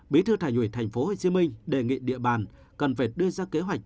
bí thư thành ủy tp hcm đề nghị địa bàn cần phải đưa ra kế hoạch